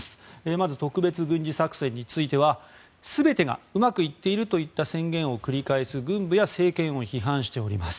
まず、特別軍事作戦については全てがうまくいっているといった宣言を繰り返す軍部や政権を批判しております。